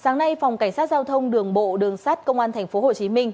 sáng nay phòng cảnh sát giao thông đường bộ đường sát công an thành phố hồ chí minh